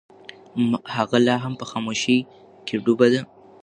هغه لا هم په خاموشۍ کې ډوبه ده.